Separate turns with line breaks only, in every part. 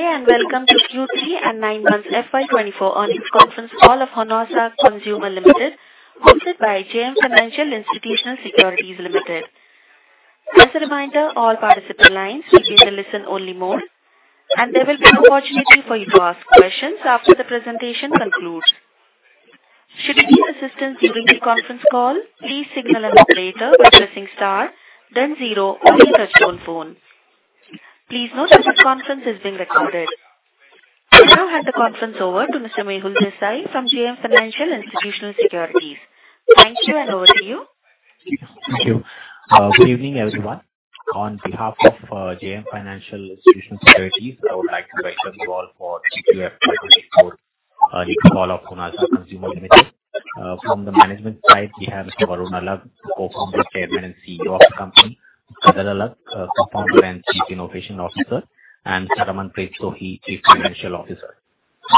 Good day, and welcome to Q3 and Nine-Month FY 2024 Earnings Conference Call of Honasa Consumer Limited, hosted by JM Financial Institutional Securities Limited. As a reminder, all participant lines will be in a listen-only mode, and there will be an opportunity for you to ask questions after the presentation concludes. Should you need assistance during the conference call, please signal an operator by pressing star then zero on your touchtone phone. Please note that this conference is being recorded. I now hand the conference over to Mr. Mehul Desai from JM Financial Institutional Securities. Thank you, and over to you.
Thank you. Good evening, everyone. On behalf of JM Financial Institutional Securities, I would like to welcome you all for Q3 FY 2024 earnings call of Honasa Consumer Limited. From the management side, we have Mr. Varun Alagh, Co-founder, Chairman, and CEO of the company; Ghazal Alagh, Co-founder and Chief Innovation Officer; and Raman Preet Sohi, Chief Financial Officer.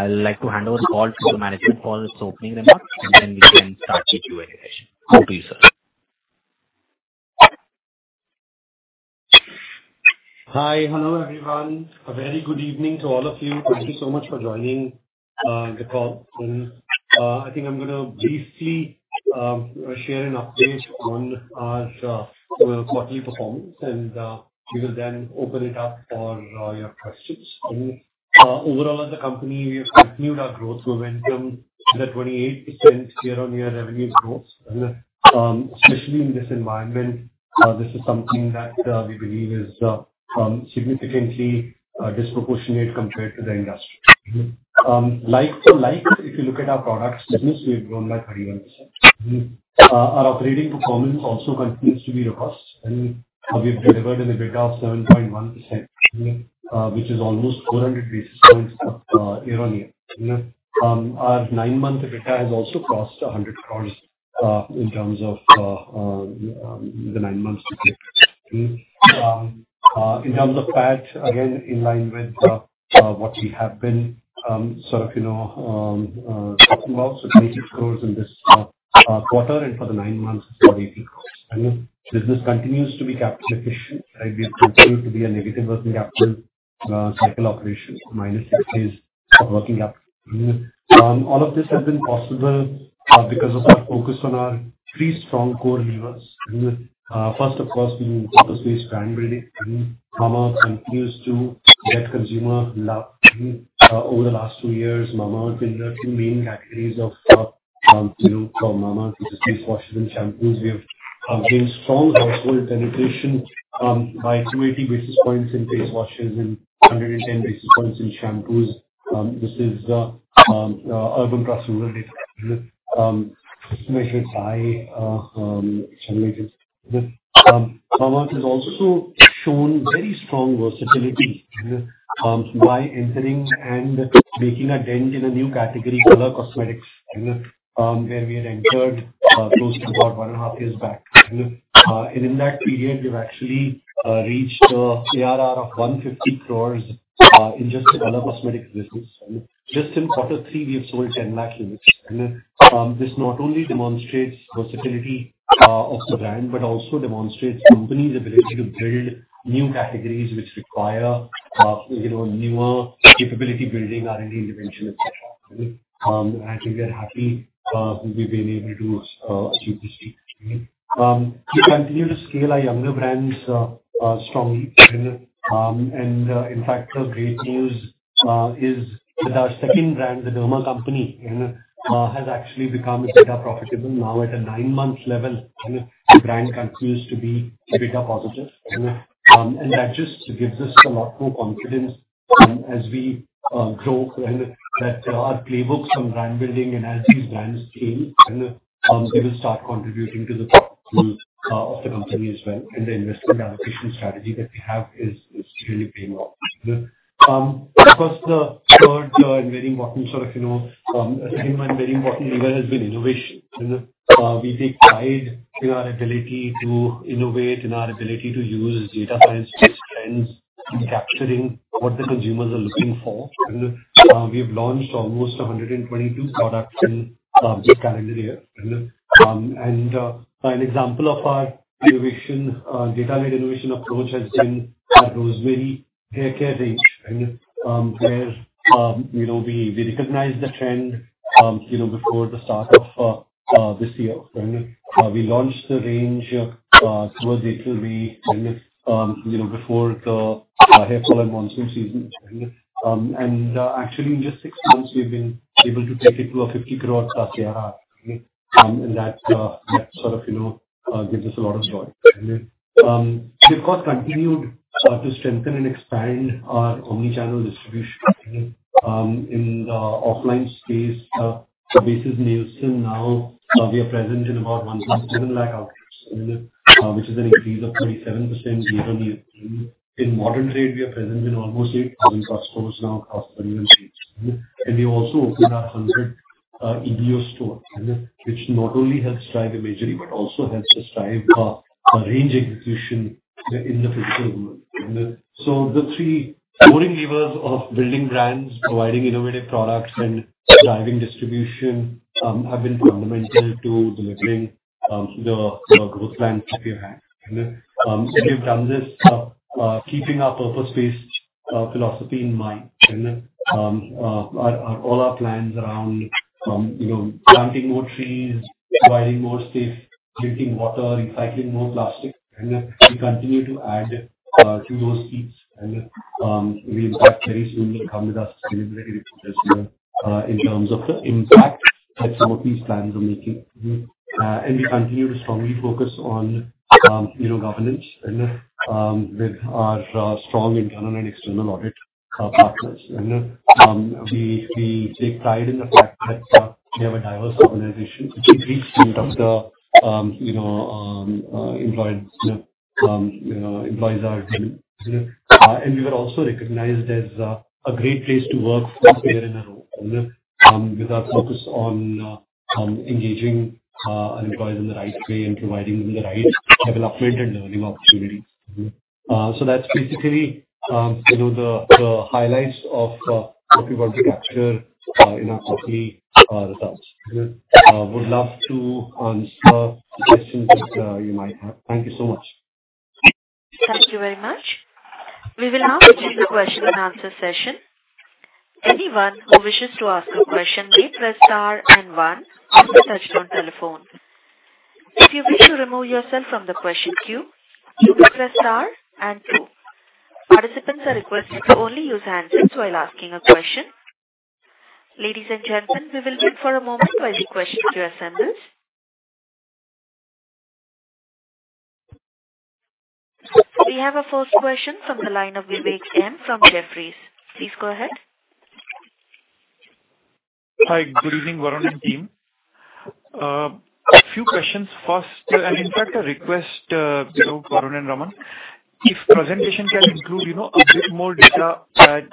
I would like to hand over the call to the management for its opening remarks, and then we can start the Q&A session. Over to you, sir.
Hi. Hello, everyone. A very good evening to all of you. Thank you so much for joining the call. I think I'm gonna briefly share an update on our quarterly performance, and we will then open it up for your questions. Overall, as a company, we have continued our growth momentum with a 28% year-on-year revenue growth. Especially in this environment, this is something that we believe is significantly disproportionate compared to the industry. Like for like, if you look at our product business, we've grown by 31%. Our operating performance also continues to be robust, and we've delivered an EBITDA of 7.1%, which is almost 400 basis points up year-on-year. Our nine-month EBITDA has also crossed 100 crore in terms of the nine months to date. In terms of PAT, again, in line with what we have been sort of, you know, talking about, so INR 80 crore in this quarter, and for the nine months, it's INR 48 crore. The business continues to be capital efficient, and we have continued to be a negative working capital cycle operation, minus six days of working capital. All of this has been possible because of our focus on our 3 strong core levers. First, of course, we purpose-based brand building. Mamaearth continues to get consumer love. Over the last two years, Mamaearth, in the two main categories of, you know, for Mamaearth, which is face washes and shampoos, we have gained strong household penetration by 280 basis points in face washes and 110 basis points in shampoos. This is urban plus rural, measured by generators. Mamaearth has also shown very strong versatility by entering and making a dent in a new category, color cosmetics, where we had entered close to about one and a half years back. And in that period, we've actually reached ARR of 150 crores in just the color cosmetics business. Just in quarter three, we have sold 1,000,000 units. This not only demonstrates versatility of the brand, but also demonstrates company's ability to build new categories which require, you know, newer capability building, R&D intervention, et cetera. I think we're happy, we've been able to achieve this feat. We continue to scale our younger brands strongly. And, in fact, the great news is that our second brand, The Derma Co., you know, has actually become EBITDA profitable now at a nine-month level. The brand continues to be EBITDA positive. And that just gives us a lot more confidence as we grow, and that our playbooks from brand building and as these brands scale, they will start contributing to the top lines of the company as well, and the investment allocation strategy that we have is really paying off. Of course, the third, and very important sort of, you know, and very important lever has been innovation. We take pride in our ability to innovate and our ability to use data science to trends in capturing what the consumers are looking for. We've launched almost 122 products in this calendar year. An example of our innovation, data-led innovation approach has been our Rosemary Hair Care range, where, you know, we, we recognized the trend, you know, before the start of this year. We launched the range towards Q3, you know, before the hair fall enhancement season. Actually, in just six months, we've been able to take it to 50 crore+ ARR. And that sort of, you know, gives us a lot of joy. We, of course, continued to strengthen and expand our omni-channel distribution. In the offline space, so basis Nielsen now, we are present in about 1.7 lakh outlets, which is an increase of 37% year-on-year. In modern trade, we are present in almost 8,000+ stores now across India. And we also opened up 100 EBO stores, which not only helps drive imagery but also helps us drive our range execution in the physical world. So the three levering levers of building brands, providing innovative products, and driving distribution have been fundamental to delivering the growth plans year-on-year. And we've done this, keeping our philosophy in mind, and all our plans around, you know, planting more trees, providing more safe drinking water, recycling more plastic, and we continue to add to those feats. And we in fact very soon will come with our celebratory this year in terms of the impact that some of these plans are making. And we continue to strongly focus on, you know, governance and with our strong internal and external audit partners. We take pride in the fact that we have a diverse organization, which reflects in the, you know, employees, you know. And we were also recognized as a great place to work here and now, and with our focus on engaging our employees in the right way and providing them the right development and learning opportunities. So that's basically, you know, the highlights of what we want to capture in our quarterly results. Would love to answer questions that you might have. Thank you so much.
Thank you very much. We will now begin the question and answer session. Anyone who wishes to ask a question, may press star and one on your touchtone telephone. If you wish to remove yourself from the question queue, you may press star and two. Participants are requested to only use handsets while asking a question. Ladies and gentlemen, we will wait for a moment while the question queue assembles. We have our first question from the line of Vivek M. from Jefferies. Please go ahead.
Hi, good evening, Varun and team. A few questions. First, and in fact, a request, to Varun and Raman. If presentation can include, you know, a bit more data,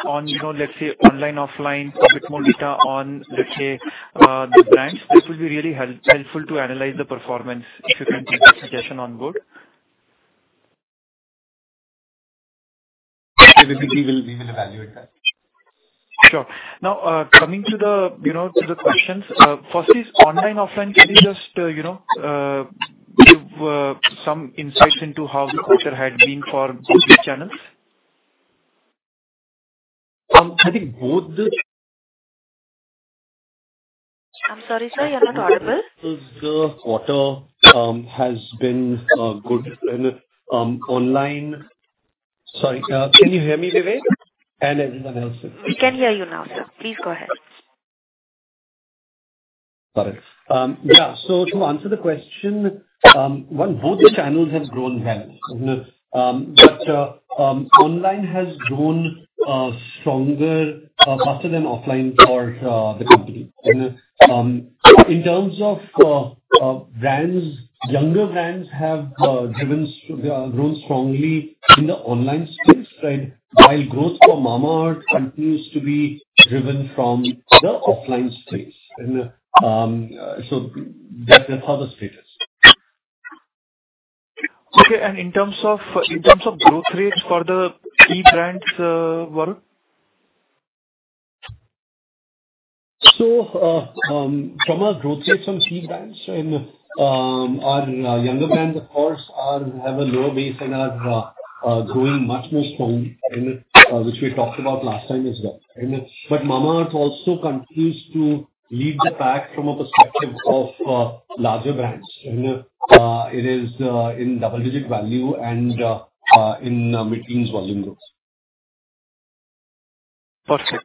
on, you know, let's say, online, offline, a bit more data on, let's say, the brands, this will be really helpful to analyze the performance, if you can take the suggestion on board.
Definitely, we will, we will evaluate that.
Sure. Now, coming to the, you know, to the questions. First is online, offline. Can you just, you know, give some insights into how the quarter had been for both the channels?
I think both the-
I'm sorry, sir, you're not audible.
The quarter has been good and online... Sorry, can you hear me, Vivek, and everyone else?
We can hear you now, sir. Please go ahead.
Got it. Yeah, so to answer the question, one, both the channels have grown well. But online has grown stronger, faster than offline for the company. In terms of brands, younger brands have grown strongly in the online space, right? While growth for Mamaearth continues to be driven from the offline space. So that's how the status.
Okay. And in terms of, in terms of growth rates for the key brands, Varun?
So, from our growth rates on key brands and, our younger brands, of course, are have a lower base and are, growing much more strong, and, which we talked about last time as well. And but Mamaearth also continues to lead the pack from a perspective of, larger brands, and, it is, in double digit value and, in mid-teens volume growth.
Perfect.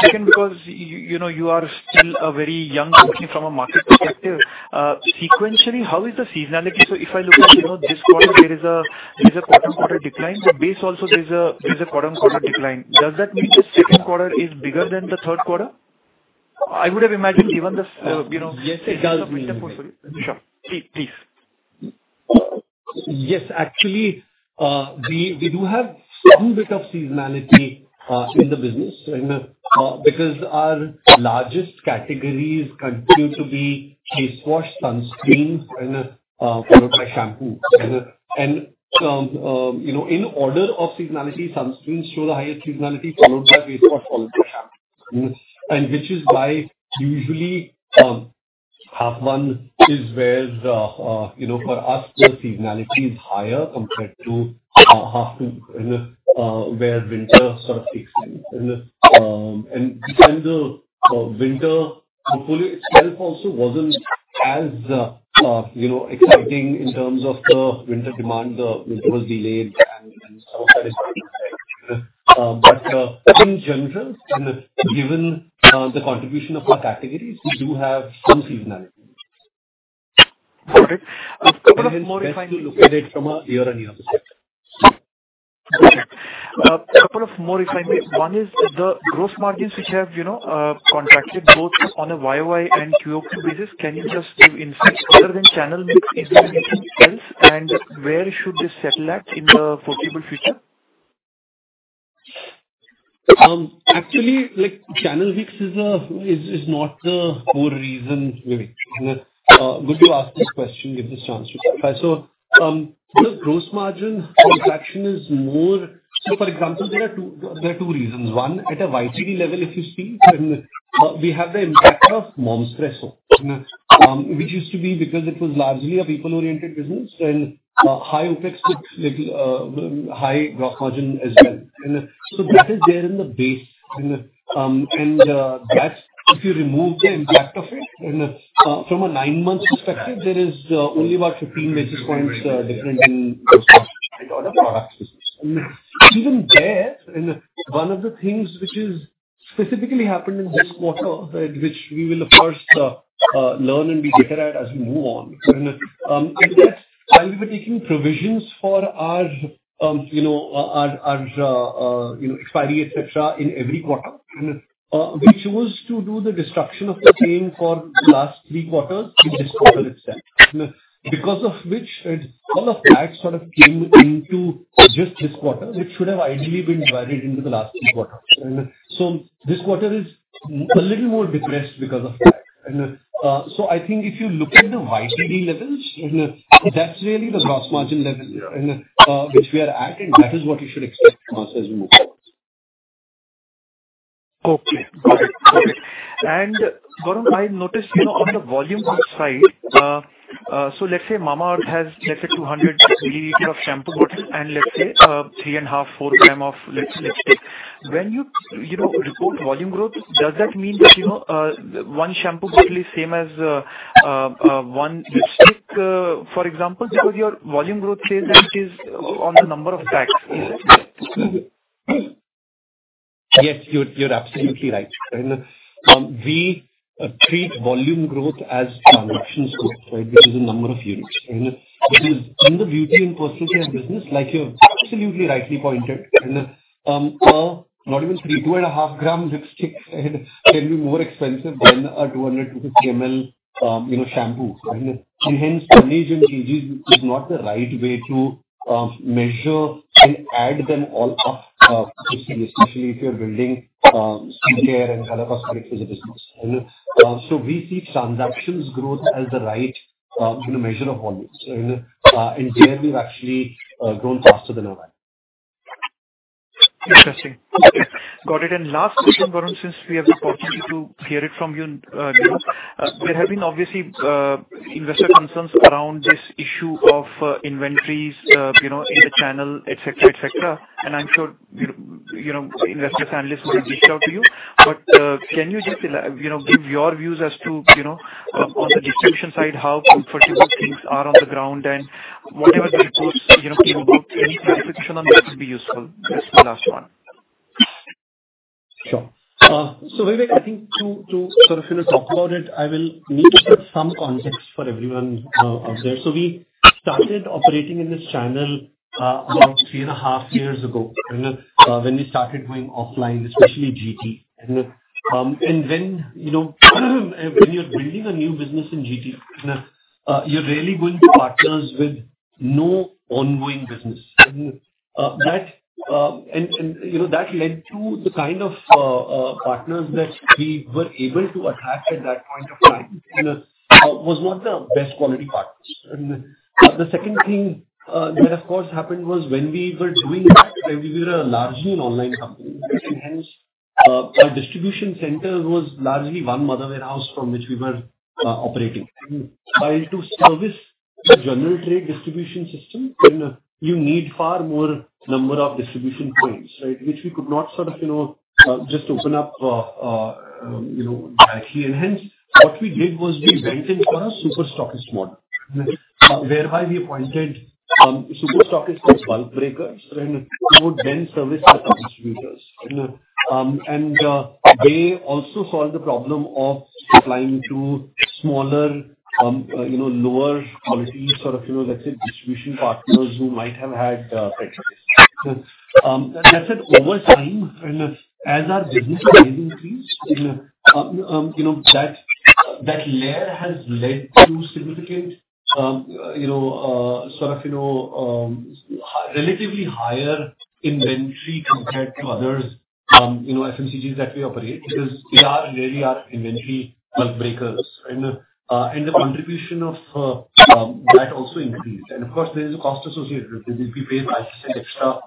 Second, because you know, you are still a very young company from a market perspective, sequentially, how is the seasonality? So if I look at, you know, this quarter, there is a, there is a quarter-on-quarter decline, but base also there is a, there is a quarter-on-quarter decline. Does that mean the second quarter is bigger than the third quarter? I would have imagined, given the, you know-
Yes, it does mean.
Sure. Please.
Yes, actually, we, we do have some bit of seasonality in the business, and, because our largest categories continue to be face wash, sunscreens and, followed by shampoo. And, you know, in order of seasonality, sunscreens show the highest seasonality, followed by face wash, followed by shampoo. And which is why usually, half one is where, you know, for us, the seasonality is higher compared to, half two, where winter sort of kicks in. And, and this time the, winter hopefully itself also wasn't as, you know, exciting in terms of the winter demand. The winter was delayed and, and some of that is, but, in general, and given, the contribution of our categories, we do have some seasonality.
Got it. A couple of more refinement-
Best to look at it from a year-over-year perspective.
Okay. A couple of more refinement. One is the gross margins, which have, you know, contracted both on a YoY and QoQ basis. Can you just give insights other than channel mix, is there anything else, and where should this settle at in the foreseeable future?
Actually, like, channel mix is, is not the whole reason, Vivek. Good you asked this question, give this chance to clarify. So, the gross margin contraction is more... So, for example, there are two reasons. One, at a YTD level, if you see, we have the impact of Momspresso, and... Which used to be because it was largely a people-oriented business, and high OpEx with little, high gross margin as well. And so that is there in the base. And, that's if you remove the impact of it, and from a nine-month perspective, there is only about 15 basis points different in gross margin. And even there, and one of the things which is specifically happened in this quarter, which we will, of course, learn and be better at as we move on. Is that we were taking provisions for our, you know, our, our, you know, expiry, et cetera, in every quarter. And, we chose to do the destruction of the chain for the last three quarters in this quarter itself. Because of which, all of that sort of came into just this quarter, which should have ideally been divided into the last three quarters. And so this quarter is a little more depressed because of that. And, so I think if you look at the YTD levels, and that's really the gross margin level, and, which we are at, and that is what you should expect from us as we move forward.
Okay, got it. And, Varun, I've noticed, you know, on the volume growth side, so let's say Mamaearth has, let's say, 200 ml of shampoo bottle and let's say, 3.5-4 gram of lipstick. When you, you know, report volume growth, does that mean that, you know, one shampoo bottle is same as, one lipstick, for example? Because your volume growth says that it is on the number of packs.
Yes, you're absolutely right. And we treat volume growth as transactions growth, right, which is the number of units. And because in the beauty and personal care business, like you've absolutely rightly pointed, not even 3 gram, 2.5-gram lipstick can be more expensive than a 250 ml, you know, shampoo. And hence, units is not the right way to measure and add them all up, especially if you're building CAGR and other aspects of the business. And so we see transactions growth as the right, you know, measure of volumes. And there we've actually grown faster than our...
Interesting. Got it. And last question, Varun, since we have the opportunity to hear it from you directly. There have been obviously investor concerns around this issue of inventories, you know, in the channel, et cetera, et cetera. And I'm sure you know investor analysts will reach out to you. But can you just you know give your views as to, you know, on the distribution side, how comfortable things are on the ground and whatever the reports, you know, can you give any clarification on that would be useful? That's the last one.
Sure. So Vivek, I think to sort of, you know, talk about it, I will need to set some context for everyone out there. So we started operating in this channel about 3.5 years ago, and when we started going offline, especially GT. And you know, when you're building a new business in GT, you're really going to partners with no ongoing business. And that led to the kind of partners that we were able to attract at that point of time, and was not the best quality partners. And the second thing that, of course, happened was when we were doing that, we were largely an online company, and hence, our distribution center was largely one mother warehouse from which we were operating. To service the general trade distribution system, you need far more number of distribution points, right? Which we could not sort of, you know, just open up, you know, lightly. Hence, what we did was we went into a super stockist model, whereby we appointed super stockists as bulk breakers, and who would then service the distributors. They also solved the problem of supplying to smaller, you know, lower quality, sort of, you know, let's say, distribution partners who might have had credits. That said, over time, and as our business has increased, you know, that layer has led to significant, you know, sort of, you know, relatively higher inventory compared to others, you know, FMCGs that we operate, because they are really our inventory bulk breakers. And the contribution of that also increased. And of course, there is a cost associated with it. We pay 5% extra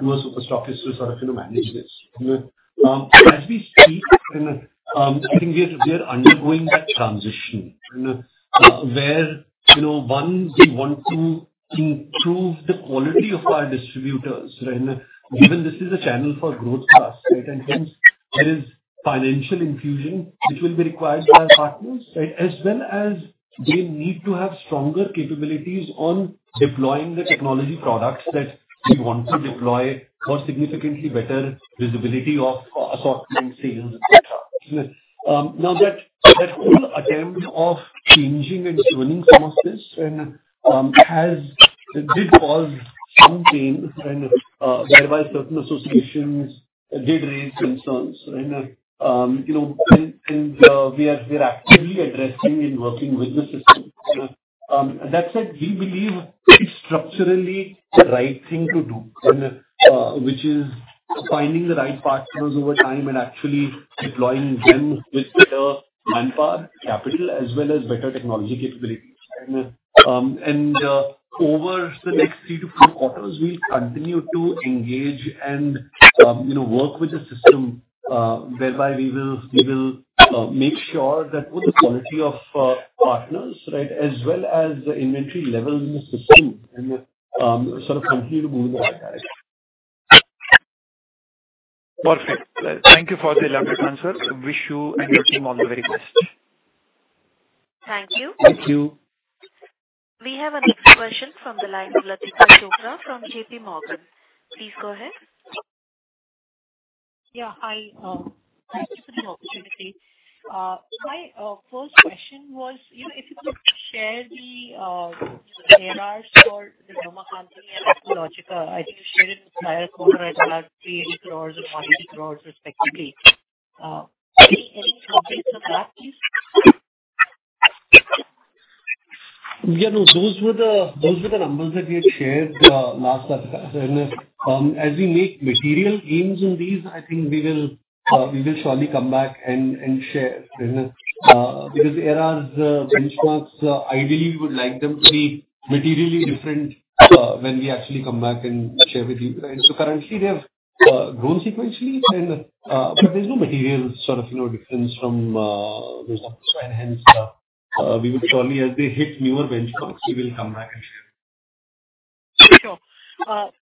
to a super stockist to sort of, you know, manage this. As we speak, I think we are undergoing that transition, where, you know, one, we want to improve the quality of our distributors, right? Given this is a channel for growth class, right, and hence there is financial infusion which will be required by our partners, right? As well as they need to have stronger capabilities on deploying the technology products that we want to deploy for significantly better visibility of assortment, sales, et cetera. Now that whole attempt of changing and running some of this did cause some pain, whereby certain associations did raise concerns. You know, we are actively addressing and working with the system. That said, we believe it's structurally the right thing to do, and which is finding the right partners over time and actually deploying them with better manpower, capital, as well as better technology capabilities. Over the next three to four quarters, we'll continue to engage and, you know, work with the system whereby we will make sure that both the quality of partners, right, as well as the inventory levels in the system, and sort of continue to move in the right direction.
Perfect. Thank you for the elaborate answer. Wish you and your team all the very best.
Thank you.
Thank you.
We have our next question from the line of Latika Chopra from JPMorgan. Please go ahead.
Yeah, hi. Thanks for the opportunity. My first question was, you know, if you could share the ARR for The Derma Co. and Aqualogica. I think you shared it with prior quarter at INR 300 crore and INR 100 crore, respectively. Any updates on that, please?
Yeah, no, those were the numbers that we had shared last time. As we make material gains in these, I think we will surely come back and share. Because ARRs benchmarks, ideally, we would like them to be materially different when we actually come back and share with you, right? So currently, they have grown sequentially and but there's no material sort of, you know, difference from... Hence, we would surely, as they hit newer benchmarks, we will come back and share.
Sure.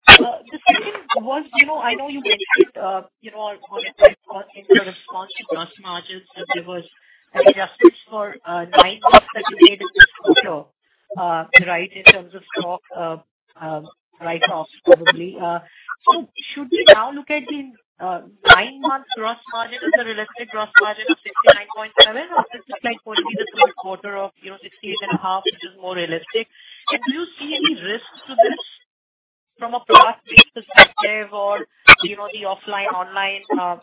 The second was, you know, I know you mentioned, you know, in your response to gross margins, that there was an adjustment for nine months that you made in this quarter, right, in terms of stock write-offs, probably. So should we now look at the nine-month gross margin as a realistic gross margin of 69.7, or is this, like, only the third quarter of, you know, 68.5, which is more realistic? And do you see any risks to this from a class-based perspective or, you know, the offline, online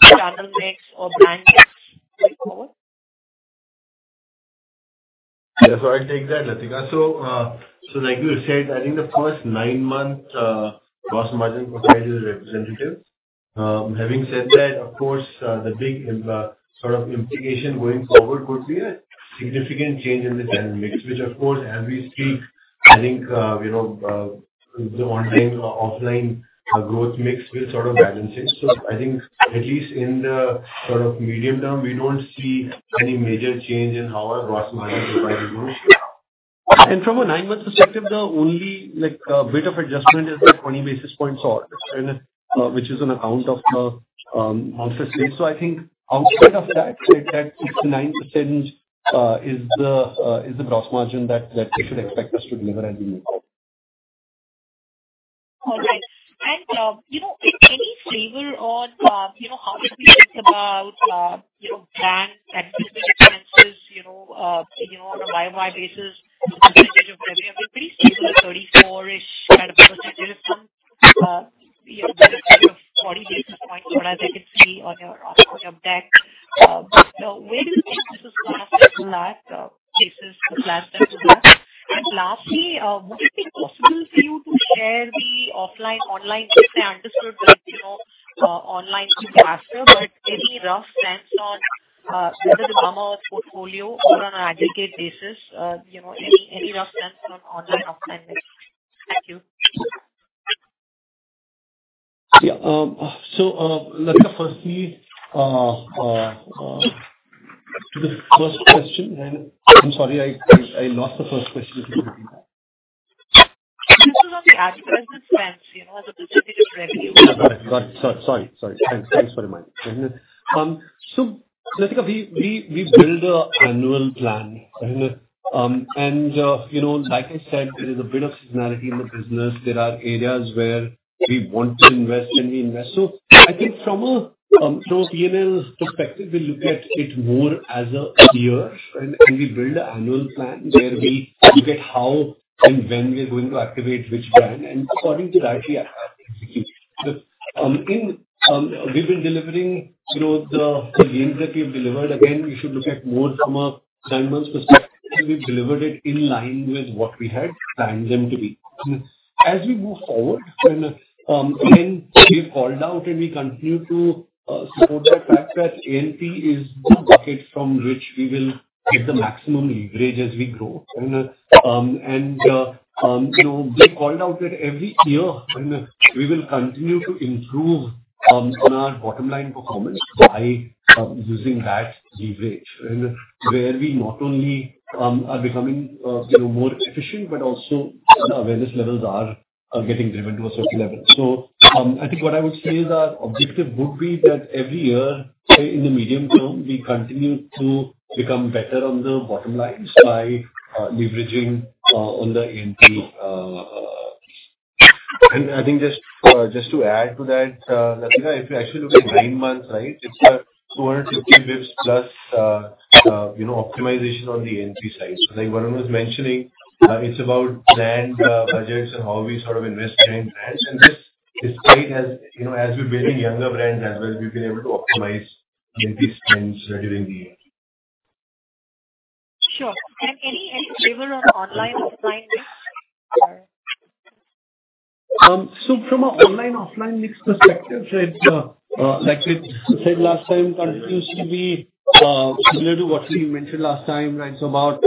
channel mix or brand mix going forward?
Yeah, so I'll take that, Latika. So, so like you said, I think the first nine-month gross margin was quite representative. Having said that, of course, the big sort of implication going forward would be a significant change in the channel mix, which of course, as we speak, I think you know the online, offline growth mix will sort of balance it. So I think at least in the sort of medium term, we don't see any major change in how our gross margin profile will move.
From a nine-month perspective, the only, like, bit of adjustment is the 20 basis points odd, and which is on account of months of sale. So I think outside of that, that 69% is the gross margin that you should expect us to deliver as we move forward.
All right. And, you know, any flavor on, you know, how should we think about, you know, brand advertisement expenses, you know, on a YoY basis, percentage of revenue will be stable at 34-ish kind of percentage, you know, 40 basis points lower as I can see on your, on your deck. Where do you think this is gonna settle at, what place for A&P to be? And lastly, would it be possible for you to share the offline, online business? I understood that, you know, online is faster, but any rough sense on, whether the Mamaearth portfolio or on an aggregate basis, you know, any, any rough sense on online, offline mix? Thank you.
Yeah. So, Latika, firstly, to the first question, and I'm sorry, I lost the first question.
It was on the ad business expense, you know, as a percentage of revenue.
Got it. Sorry, sorry. Thanks. Thanks very much. So Latika, we build an annual plan. And you know, like I said, there is a bit of seasonality in the business. There are areas where we want to invest, and we invest. So I think from a P&L's perspective, we look at it more as a year, and we build an annual plan where we look at how and when we are going to activate which brand, and according to that, we are executing. But we've been delivering, you know, the gains that we've delivered, again, you should look at more from a nine-month perspective, and we've delivered it in line with what we had planned them to be. As we move forward, and again, we've called out and we continue to support the fact that A&P is the bucket from which we will get the maximum leverage as we grow. And you know, we called out that every year, and we will continue to improve on our bottom line performance by using that leverage, and where we not only are becoming you know, more efficient, but also our awareness levels are getting driven to a certain level. So, I think what I would say is our objective would be that every year, say, in the medium term, we continue to become better on the bottom line by leveraging on the A&P.
And I think just, just to add to that, Latika, if you actually look at nine months, right, it's a 250 basis points plus, you know, optimization on the A&P side. So like Varun was mentioning, it's about brand, budgets and how we sort of invest in brands. And this, despite as, you know, as we're building younger brands as well, we've been able to optimize A&P spends during the year....
Sure. And any flavor of online-offline mix?
So from an online-offline mix perspective, right, like we said last time, continues to be similar to what we mentioned last time, right? So about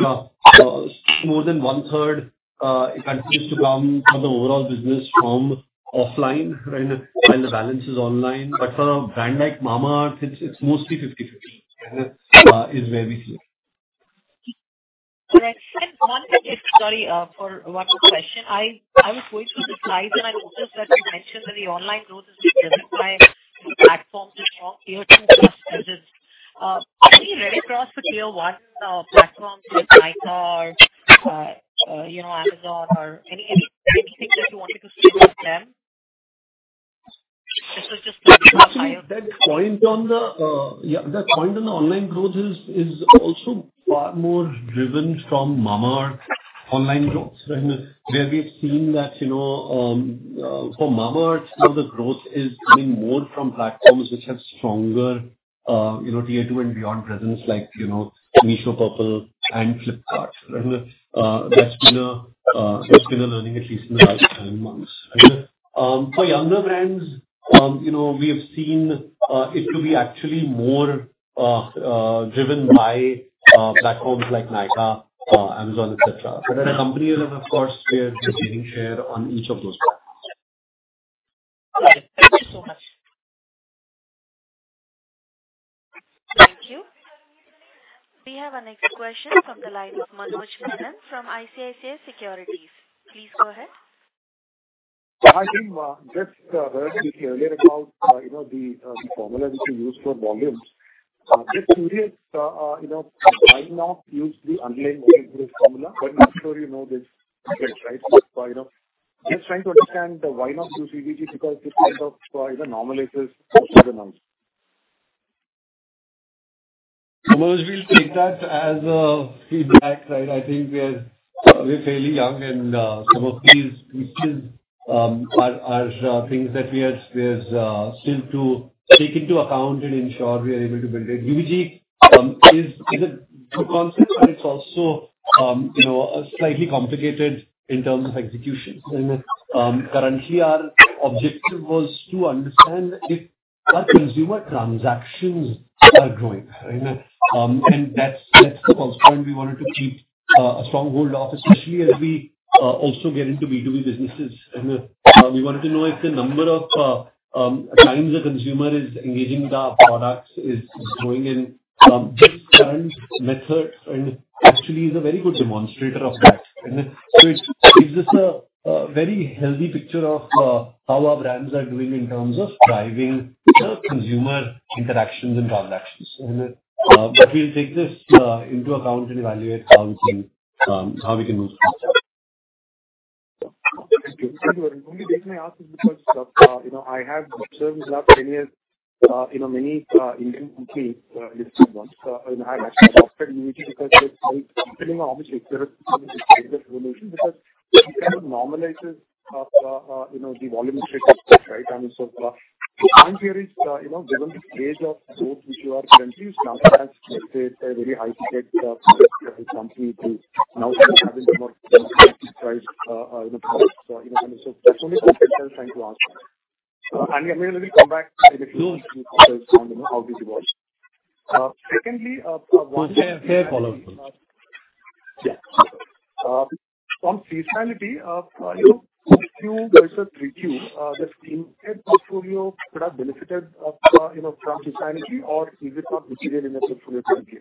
more than one-third it continues to come for the overall business from offline, right, while the balance is online. But for a brand like Mamaearth, it's mostly 50/50 is where we see.
Right. And one, sorry, for one more question. I was going through the slides, and I noticed that you mentioned that the online growth is driven by platforms with strong Tier Two presence. Are we really across the Tier One platforms like Nykaa or, you know, Amazon or any, anything that you wanted to say about them? This is just-
Actually, yeah, that point on the online growth is also far more driven from Mamaearth online growth, right? Where we've seen that, you know, for Mamaearth, now the growth is coming more from platforms which have stronger, you know, Tier Two and beyond presence, like, you know, Meesho, Purplle, and Flipkart. Right? That's been a learning, at least in the last 10 months. Right. For younger brands, you know, we have seen it to be actually more driven by platforms like Nykaa, Amazon, et cetera. But then companies have, of course, we are gaining share on each of those platforms.
All right. Thank you so much.
Thank you. We have our next question from the line of Manoj Menon from ICICI Securities. Please go ahead.
Yeah, I think, just, earlier about, you know, the, the formula which you use for volumes. Just curious, you know, why not use the underlying volume growth formula? But I'm sure you know this, right? So, you know, just trying to understand, why not use UVG, because this kind of normalizes the numbers.
Manoj, we'll take that as a feedback, right? I think we are, we're fairly young, and some of these issues are things that we are still to take into account and ensure we are able to build it. UVG is a good concept, but it's also, you know, slightly complicated in terms of execution. Currently our objective was to understand if our consumer transactions are growing, right? And that's the first point we wanted to keep a strong hold of, especially as we also get into B2B businesses. And we wanted to know if the number of times a consumer is engaging with our products is growing, and this current method and actually is a very good demonstrator of that. And so it gives us a very healthy picture of how our brands are doing in terms of driving the consumer interactions and transactions. And we'll take this into account and evaluate how we can move forward.
Thank you. The only reason I ask is because, you know, I have observed this now for many years, you know, many, Indian companies, because it obviously because it kind of normalizes, you know, the volume, right? I mean, so, my theory is, you know, given the stage of growth, which you are currently, it now has a very high company to now you know. So that's only what I was trying to ask. And maybe I'll come back a little on, you know, how this works. Secondly,
Fair, fair point. Yeah.
On seasonality, you know, do you, there is a review, the skincare portfolio could have benefited, you know, from seasonality or is it not material in the portfolio currently?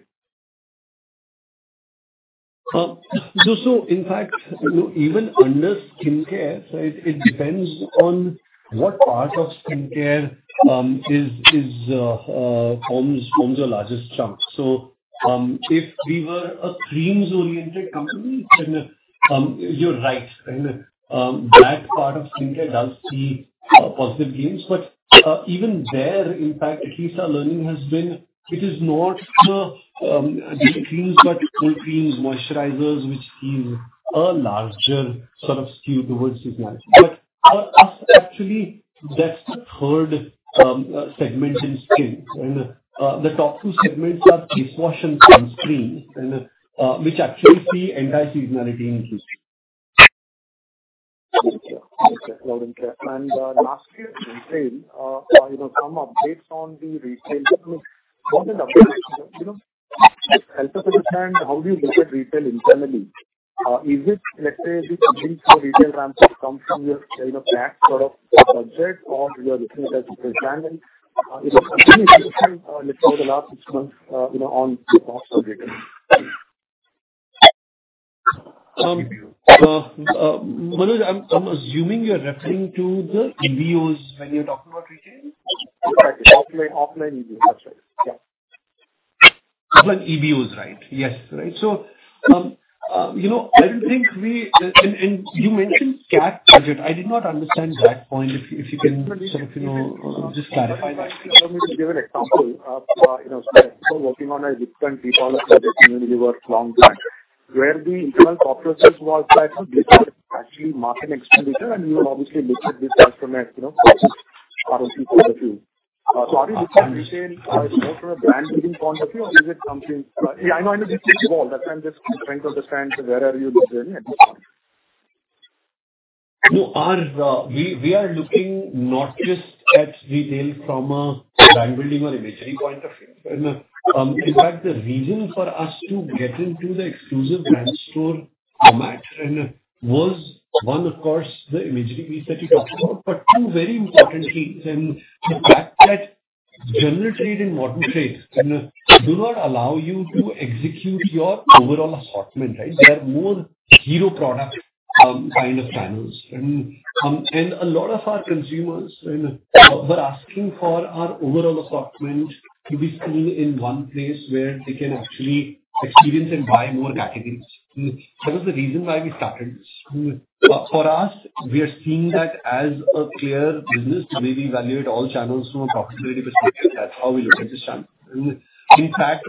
So in fact, you know, even under skincare, it depends on what part of skincare forms the largest chunk. So if we were a creams-oriented company, then you're right. And that part of skincare does see positive gains. But even there, in fact, at least our learning has been, it is not the day creams, but night creams, moisturizers, which see a larger sort of skew towards seasonality. But actually, that's the third segment in skin. And the top two segments are face wash and creams, which actually see entire seasonality in history.
Okay. Okay, got it. And, last year, you said, you know, some updates on the retail. I mean, what is update? You know, help us understand, how do you look at retail internally? Is it, let's say, the retail ramps have come from your, you know, capped sort of budget or your retail as planned and, let's say, the last six months, you know, on top of retail?
Manoj, I'm assuming you're referring to the EBOs when you're talking about retail?
Correct. Offline, offline EBO. That's right. Yeah.
Offline EBOs, right. Yes, right. So, you know, I think we... and you mentioned capped budget. I did not understand that point. If you can sort of, you know, just clarify that.
Let me give an example. You know, so working on a different retail project, maybe long back, where the internal processes was like actually mark an expenditure, and you obviously looked at this as from an, you know, perspective for the few. So are you looking retail more from a brand building point of view, or is it something? Yeah, I know it's involved, that's why I'm just trying to understand where are you looking at this point?
No, we are looking not just at retail from a brand building or imagery point of view. In fact, the reason for us to get into the exclusive brand store format and was, one, of course, the imagery piece that you talked about, but two very important things, and the fact that general trade and modern trade do not allow you to execute your overall assortment, right? They are more hero product kind of channels. And a lot of our consumers, you know, were asking for our overall assortment to be seen in one place where they can actually experience and buy more categories. So that was the reason why we started this. But for us, we are seeing that as a clear business, the way we evaluate all channels from a profitability perspective, that's how we look at this channel. In fact,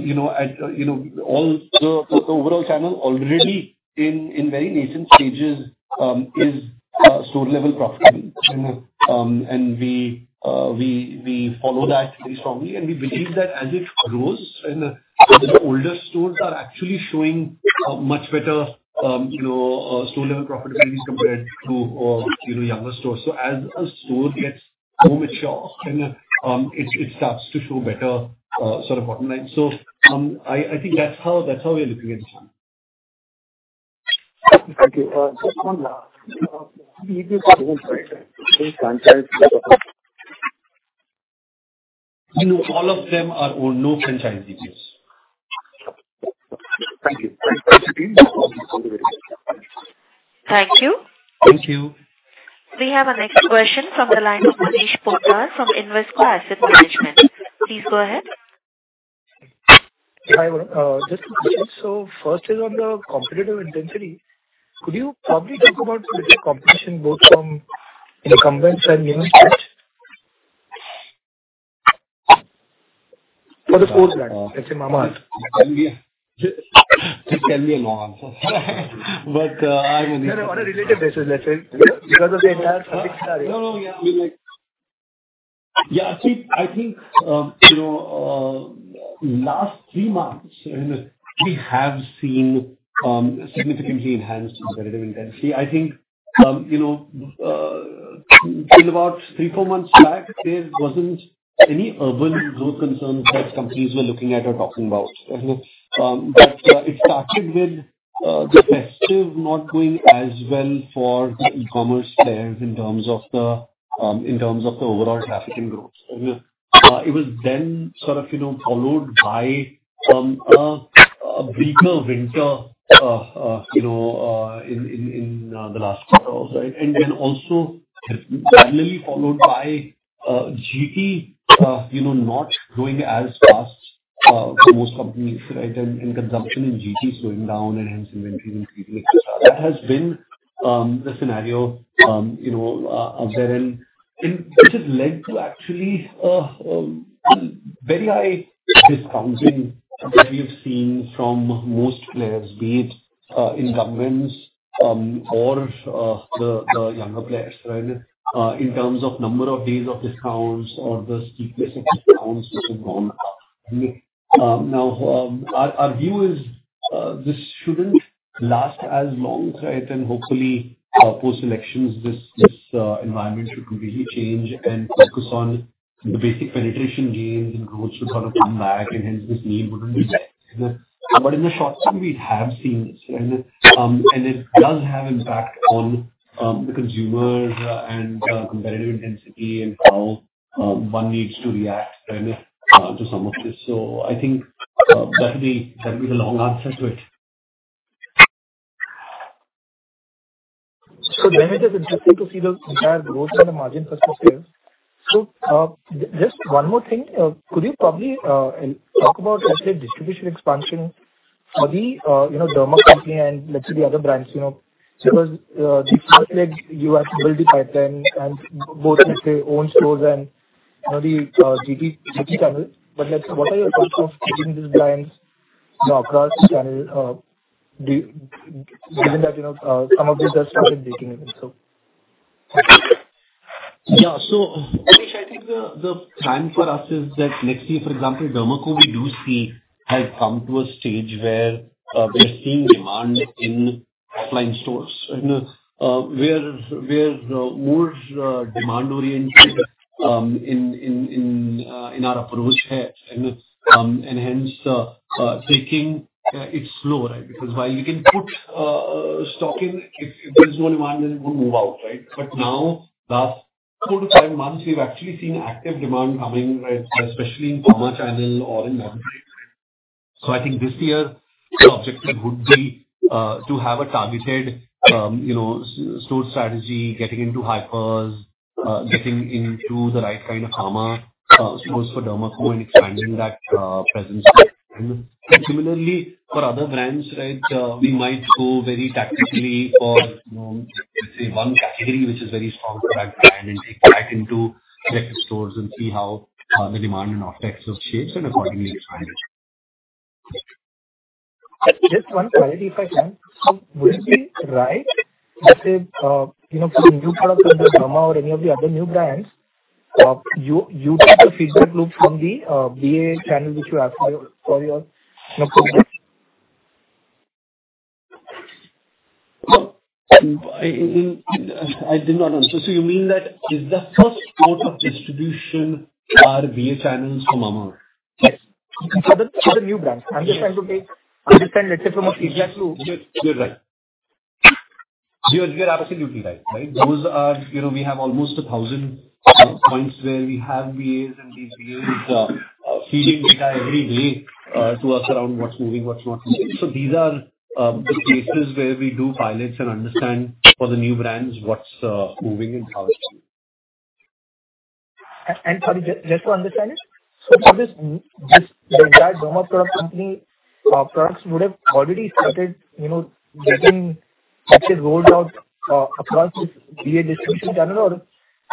you know, as you know, all the overall channel already in very nascent stages is store level profitability. And we follow that very strongly, and we believe that as it grows and the older stores are actually showing a much better, you know, store level profitability compared to, you know, younger stores. So as a store gets more mature and it starts to show better sort of bottom line. So I think that's how we are looking at this one.
Thank you. Just one last
You know, all of them are owned, no franchisees.
Thank you.
Thank you.
Thank you.
We have our next question from the line of Manish Poddar from Invesco Asset Management. Please go ahead.
Hi, just so first is on the competitive intensity. Could you probably talk about competitive competition, both from incumbents and new entrants?
For the fourth brand, it's a Mamaearth. This can be a long answer, but,
No, no, on a related basis, that's it. Because of the entire category.
No, no, yeah. Yeah, I think, you know, last three months, and we have seen, significantly enhanced competitive intensity. I think, you know, till about three to four months back, there wasn't any urban growth concerns that companies were looking at or talking about. But, it started with, the festive not going as well for the e-commerce players in terms of the overall traffic and growth. It was then sort of, you know, followed by, a weaker winter, you know, in the last quarter also. And then also finally followed by, GT, you know, not growing as fast, for most companies, right? And in consumption in GT slowing down and hence inventories and everything. That has been the scenario, you know, therein, and which has led to actually very high discounting that we've seen from most players, be it incumbents less or the younger players, right? In terms of number of days of discounts or the steepness of discounts which have gone up. Now, our view is, this shouldn't last as long, right? And hopefully, post-elections, this environment should completely change and focus on the basic penetration gains and growth should sort of come back, and hence, this need wouldn't be there. But in the short term, we have seen this, and it does have impact on the consumers and competitive intensity and how one needs to react, right, to some of this. So I think, that'll be, that'll be the long answer to it.
So then it is interesting to see the entire growth in the margin for customers. So, just one more thing. Could you probably talk about, let's say, distribution expansion for the, you know, Derma Co. and let's say the other brands, you know? Because you have to build the pipeline and both, let's say, own stores and, you know, the GT, GT channel. But, like, what are your thoughts of taking these brands across channel Given that, you know, some of these are started taking it in, so.
Yeah. So Manish, I think the plan for us is that next year, for example, Derma Co., we do see has come to a stage where we are seeing demand in offline stores. And where more demand oriented in our approach here. And hence taking it slow, right? Because while you can put stock in, if there's no demand, then it won't move out, right? But now, last 4-5 months, we've actually seen active demand coming, right, especially in pharma channel or in modern trade. So I think this year, the objective would be to have a targeted, you know, store strategy, getting into hypers, getting into the right kind of pharma stores for Derma Co. and expanding that presence. And similarly, for other brands, right, we might go very tactically or, you know, let's say one category, which is very strong for that brand, and take that into respective stores and see how the demand and off-take shapes and accordingly expand it....
Just one clarity, if I can. Would it be right, let's say, you know, for a new product from Derma or any of the other new brands, you take the feedback loop from the BA channel, which you ask for your, for your, you know, products?
Well, in, I did not answer. So you mean that is the first port of distribution are BA channels for Mamaearth?
Yes. For the new brands. I'm just trying to take, understand, let's say, from a feedback loop.
You're right. You're absolutely right, right? Those are... You know, we have almost 1,000 points where we have BAs, and these BAs are feeding data every day to us around what's moving, what's not moving. So these are the places where we do pilots and understand for the new brands what's moving and how it's moving.
Sorry, just to understand it. So for this, the entire The Derma Co. products would have already started, you know, getting actually rolled out across this BA distribution channel or,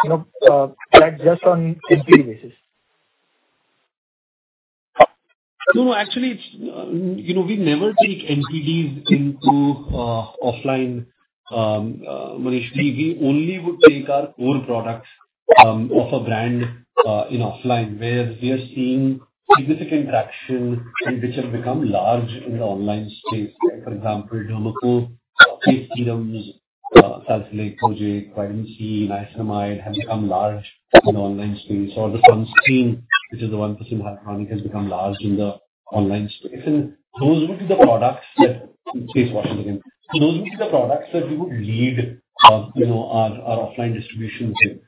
you know, that just on NPD basis?
No, actually, it's... You know, we never take NPDs into offline, Manish. We only would take our core products of a brand in offline, where we are seeing significant traction and which have become large in the online space. For example, Derma Co. face serums, salicylic, kojic, Vitamin C, niacinamide, have become large in the online space, or the sunscreen, which is the 1% hyaluronic, has become large in the online space. And those would be the products that face wash again. So those would be the products that we would lead, you know, our offline distribution team.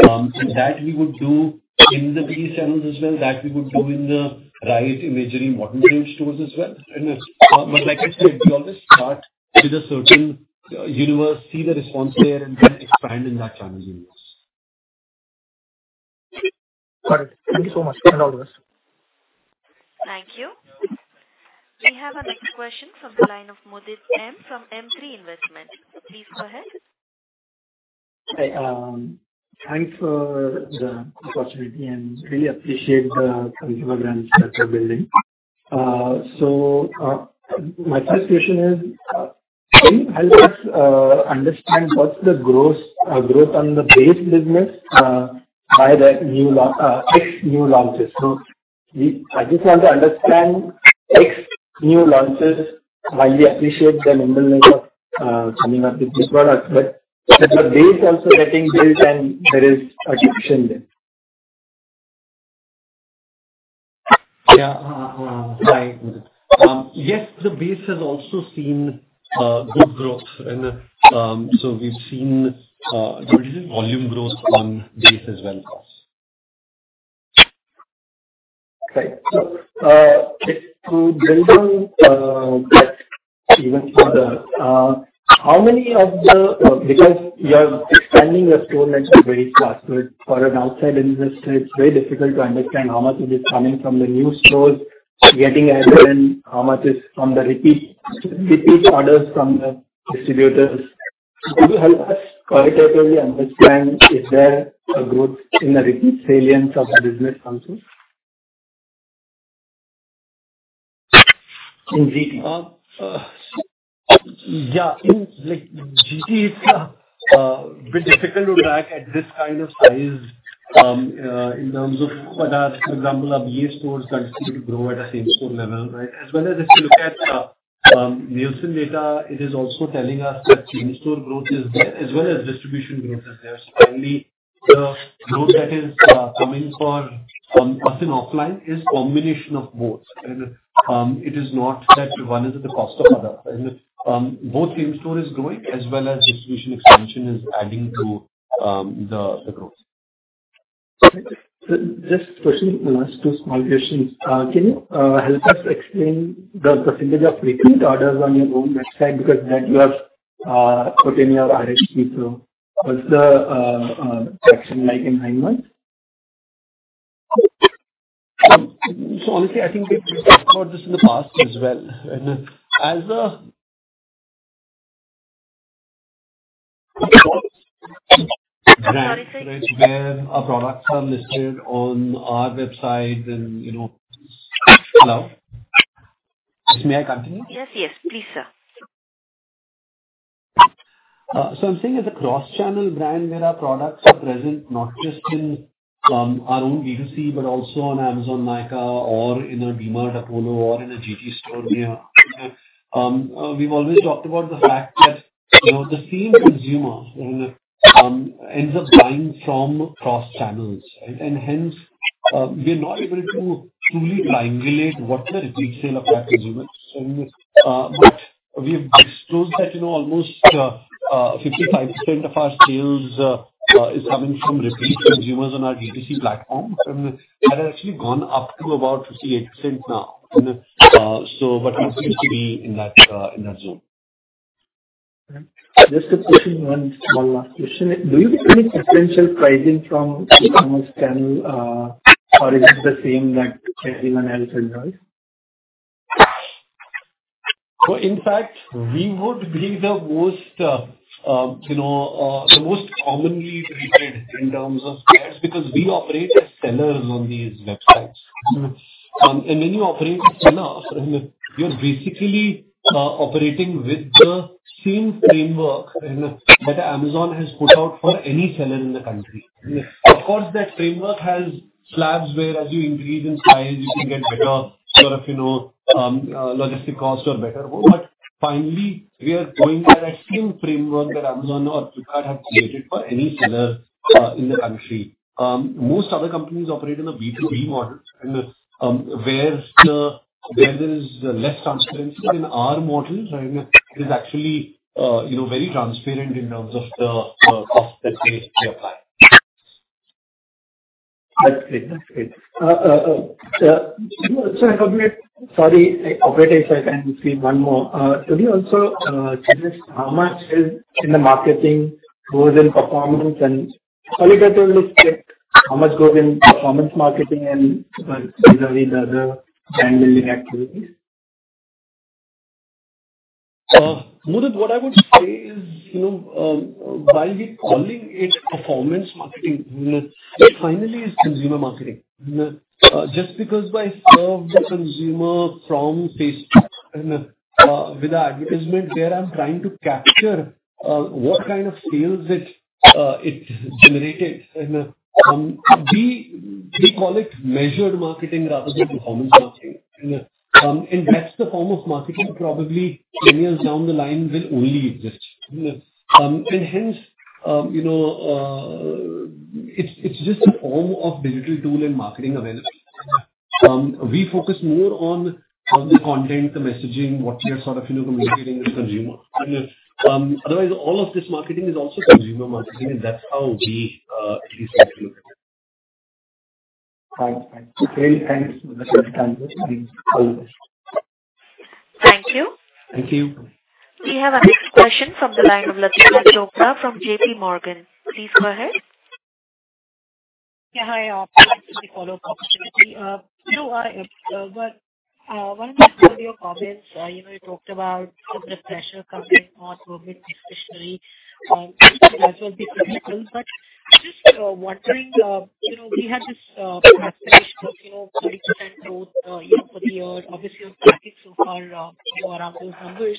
So that we would do in the BA channels as well, that we would do in the GT, majorly modern trade stores as well. Like I said, we always start with a certain universe, see the response there, and then expand in that channel universe.
Got it. Thank you so much. Thanks, Alagh.
Thank you. We have our next question from the line of Mudit M. from M3 Investment. Please go ahead.
Hi, thanks for the opportunity, and really appreciate the consumer brands that you're building. So, my first question is, can you help us understand what's the gross growth on the base business by the new ex new launches? So I just want to understand ex new launches, while we appreciate the number of coming up with these products, but is the base also getting built and there is attrition there?
Yeah. Hi, Mudit. Yes, the base has also seen good growth. And, so we've seen good volume growth on base as well costs.
Right. So, to build on that even further, how many of the... Because you are expanding your store network very fast, so for an outside investor, it's very difficult to understand how much is coming from the new stores getting added, and how much is from the repeat, repeat orders from the distributors. Could you help us qualitatively understand, is there a growth in the repeat salience of the business also?
In GT? Yeah, in, like, GT, it's a bit difficult to track at this kind of size, in terms of what are, for example, our BA stores continue to grow at a same store level, right? As well as if you look at Nielsen data, it is also telling us that same-store growth is there, as well as distribution growth is there. So finally, the growth that is coming for, from us in offline is combination of both, and it is not that one is at the cost of other. Both same store is growing as well as distribution expansion is adding to the growth.
So, just question, last two small questions. Can you help us explain the percentage of repeat orders on your own website? Because that you have put in your RHP, so what's the action like in nine months?
So honestly, I think we've talked about this in the past as well. And as a-
Sorry, sir.
Where our products are listed on our website and, you know... Hello? May I continue?
Yes, yes, please, sir.
So I'm saying as a cross-channel brand, where our products are present not just in, our own DTC, but also on Amazon, Nykaa, or in a DMart, Apollo, or in a GT store near. We've always talked about the fact that, you know, the same consumer, ends up buying from cross-channels. And hence, we're not able to truly triangulate what the repeat sale of that consumer is. But we've disclosed that, you know, almost, 55% of our sales, is coming from repeat consumers on our DTC platform, and it has actually gone up to about 58% now. So what we seem to be in that, in that zone.
Just a question, one small last question. Do you get any substantial pricing from e-commerce channel, or is it the same that everyone else enjoys?...
So in fact, we would be the most, you know, the most commonly repeated in terms of squares, because we operate as sellers on these websites. And when you operate as seller, you're basically, operating with the same framework, you know, that Amazon has put out for any seller in the country. Of course, that framework has slabs where as you increase in size, you can get better sort of, you know, logistic costs or better. But finally, we are going by that same framework that Amazon or Flipkart have created for any seller, in the country. Most other companies operate in a B2B model, and, where there is less transparency in our model, right? It is actually, you know, very transparent in terms of the, cost that we apply.
That's great. That's great. Sir, sorry, operator, if I can see one more. Could you also tell us how much is in the marketing goes in performance and how much goes in performance marketing and vis-à-vis the other brand building activities?
Mudit, what I would say is, you know, while we're calling it performance marketing, it finally is consumer marketing. Just because I serve the consumer from Facebook with the advertisement, where I'm trying to capture what kind of feels it generated. And we call it measured marketing rather than performance marketing. And that's the form of marketing probably 10 years down the line will only exist. And hence, you know, it's just a form of digital tool and marketing available. We focus more on how the content, the messaging, what we are sort of, you know, communicating with consumer. Otherwise, all of this marketing is also consumer marketing, and that's how we at least like to look at it.
Fine. Thank you. Thanks for the time.
Thank you.
Thank you.
We have our next question from the line of Latika Chopra from JPMorgan. Please go ahead.
Yeah, hi. Follow-up opportunity. You know, but one of your comments, you know, you talked about the pressure coming on a bit officially, but just wondering, you know, we have this aspiration of, you know, 30% growth, you know, for the year. Obviously, on target so far, you know, around those numbers.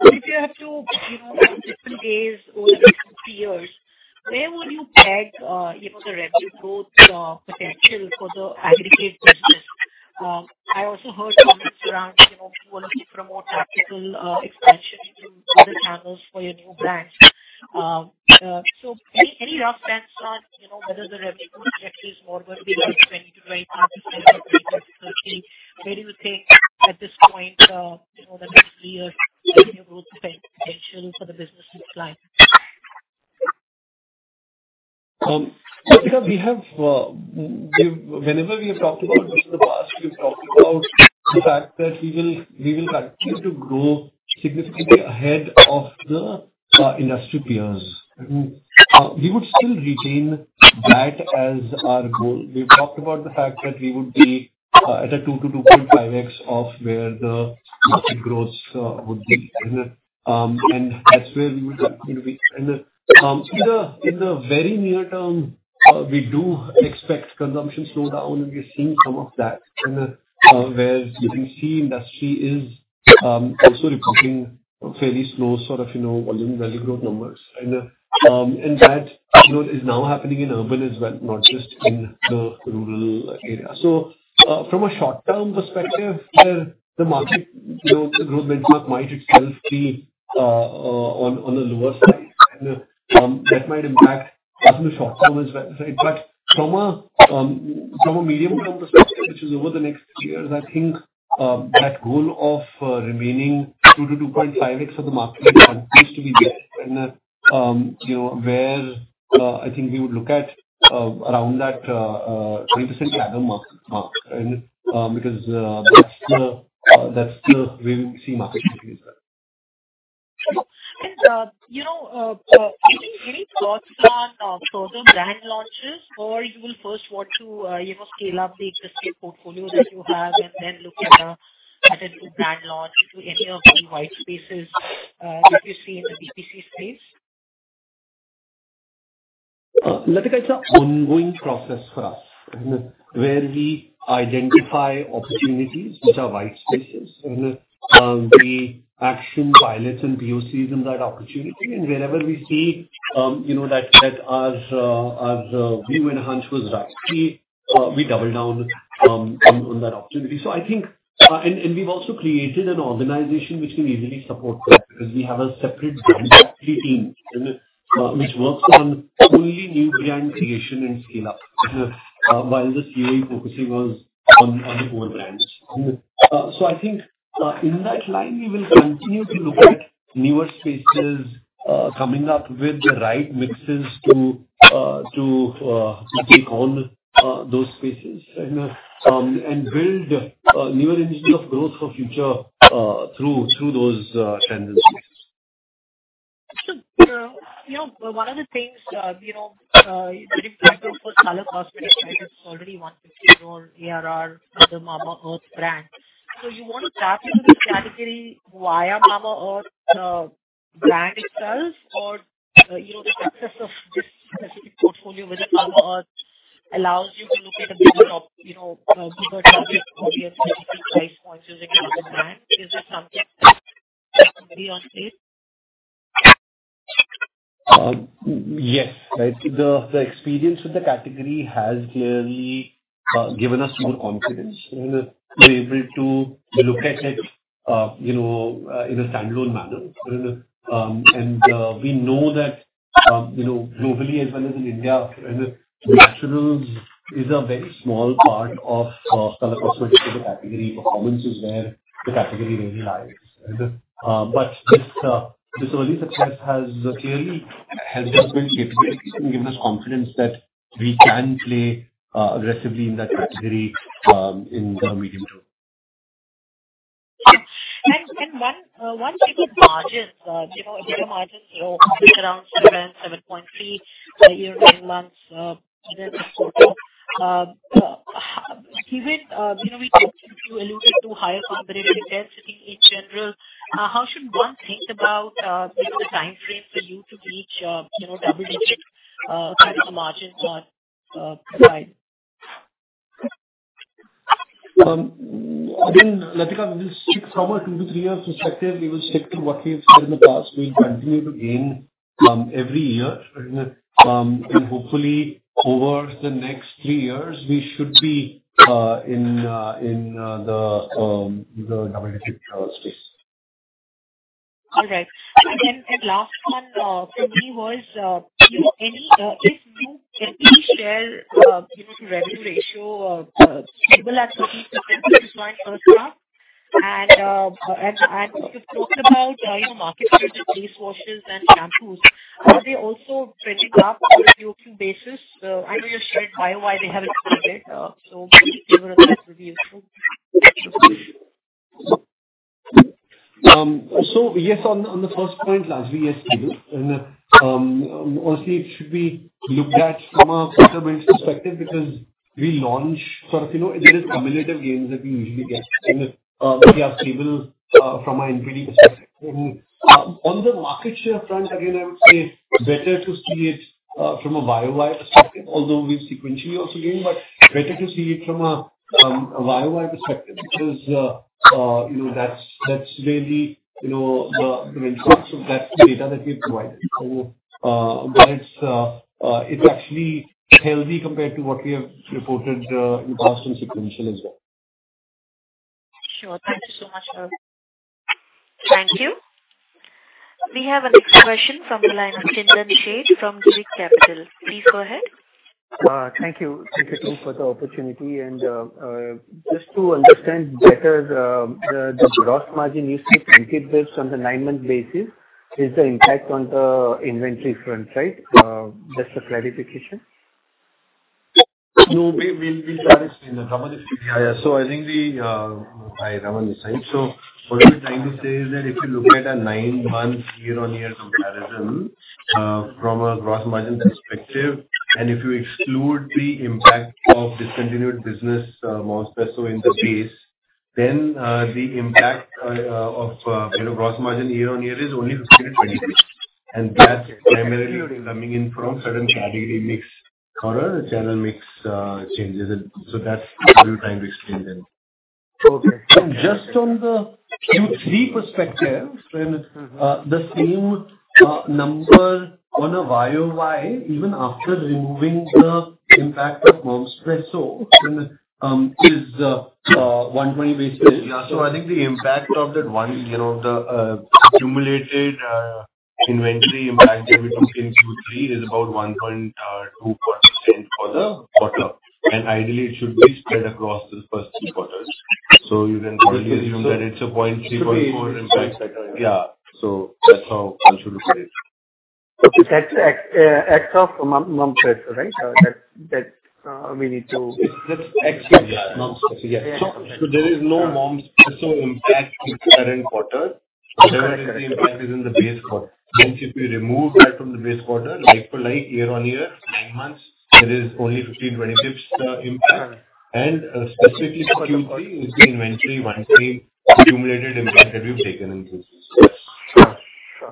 But if you have to, you know, different days over the years, where would you peg, you know, the revenue growth potential for the aggregate business? I also heard comments around, you know, you wanting to promote tactical expansion into other channels for your new brands. So, any rough sense on, you know, whether the revenue trajectory is more going to be like 20-25, where do you think at this point, you know, the next year growth potential for the business looks like?
Latika, we have, whenever we have talked about this in the past, we've talked about the fact that we will, we will continue to grow significantly ahead of the, industry peers. We would still retain that as our goal. We've talked about the fact that we would be, at a 2-2.5x of where the market growth, would be. And that's where we would like to be. And, in the very near term, we do expect consumption slow down, and we are seeing some of that. And, where you can see industry is, also reporting fairly slow sort of, you know, volume value growth numbers. And, and that, you know, is now happening in urban as well, not just in the rural area. So, from a short-term perspective, where the market growth, growth benchmark might itself be on the lower side, and that might impact us in the short term as well. But from a medium-term perspective, which is over the next two years, I think that goal of remaining 2-2.5x for the market remains to be there. And you know, where I think we would look at around that 20% mark, because that's the way we see market.
You know, any thoughts on further brand launches, or you will first want to, you know, scale up the existing portfolio that you have and then look at a new brand launch into any of the white spaces that you see in the BTC space?
Latika, it's an ongoing process for us, where we identify opportunities which are white spaces, and we action pilots and POCs in that opportunity. And wherever we see, you know, that our view and hunch was right, we double down on that opportunity. So I think, and we've also created an organization which can easily support that, because we have a separate brand team which works on only new brand creation and scale up while the CA focusing on the core brands. So I think in that line, we will continue to look at newer spaces, coming up with the right mixes to take on those spaces and build newer engines of growth for future through those channels....
You know, one of the things, you know, already 150 million ARR, the Mamaearth brand. So you want to tap into the category via Mamaearth brand itself, or, you know, the success of this specific portfolio within Mamaearth allows you to look at a bigger, you know, bigger target audience, price points against the brand. Is this something that on plate?
Yes, I think the experience with the category has clearly given us more confidence, and we're able to look at it, you know, in a standalone manner. We know that, you know, globally as well as in India, and the naturals is a very small part of color cosmetics category. Performance is where the category really lies. But this early success has clearly helped us build capability and given us confidence that we can play aggressively in that category in the medium term.
On employee margins, you know, your margins, you know, around 7.3%. Given you alluded to higher competitive intensity in general, how should one think about, you know, the time frame for you to reach, you know, double-digit kind of a margin profile?
Again, Latika, this from a two to three years perspective, we will stick to what we have said in the past. We'll continue to gain every year. And hopefully, over the next three years, we should be in the double-digit space.
All right. And then, last one from me was, you know, if you can please share, you know, the revenue ratio of stable at 30%. And, and you talked about, you know, market share face washes and shampoos. Are they also trending up on a year-on-year basis? I know you've shared why they haven't, so give us a little review as well.
So yes, on the first point, last week, yes, we do. And honestly, it should be looked at from a quarter perspective, because we launch sort of, you know, it is cumulative gains that we usually get, they are stable, from our entry perspective. And on the market share front, again, I would say better to see it from a YoY perspective, although we sequentially also gain, but better to see it from a YoY perspective, because, you know, that's really, you know, the importance of that data that we have provided. But it's actually healthy compared to what we have reported in past and sequential as well.
Sure. Thank you so much.
Thank you. We have our next question from the line from Chintan Desai, from Swiss Capital. Please go ahead.
Thank you. Thank you for the opportunity and, just to understand better, the gross margin you see this on the nine-month basis, is the impact on the inventory front, right? Just a clarification.
No, we'll try to explain that. So I think we... Hi, Raman this side. So what we're trying to say is that if you look at a nine-month, year-on-year comparison, from a gross margin perspective, and if you exclude the impact of discontinued business, Momspresso in the base, then, the impact, of, you know, gross margin year-on-year is only 15-20 bps. And that's primarily coming in from certain category mix color, channel mix, changes. So that's what we're trying to explain then.
Okay. And just on the Q3 perspective, the same number on a YoY, even after removing the impact of Momspresso, is one point basically.
Yeah. So I think the impact of that one, you know, the accumulated inventory impact between Q3 is about 1.2% for the quarter. And ideally, it should be spread across the first three quarters. So you can assume that it's a 0.3-0.4 impact.
Yeah.
That's how one should look at it.
Okay. That's exit of Momspresso, right? That we need to-
It's ex Momspresso, yeah.
There is no Momspresso impact in the current quarter.
The impact is in the base quarter. Once you remove that from the base quarter, like for like, year-over-year, nine months, it is only 15-20 impact.
Correct.
Specifically for Q3, you see inventory, once the accumulated impact have you taken into.
Sure,